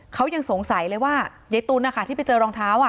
เขายังสงสัยเลยว่ายายตุ๋นนะคะที่ไปเจอรองเท้า